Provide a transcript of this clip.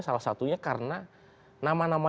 salah satunya karena nama nama